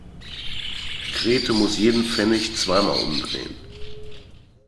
Grete muss jeden Pfennig zweimal umdrehen.